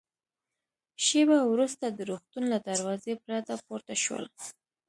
شېبه وروسته د روغتون له دروازې پرده پورته شول.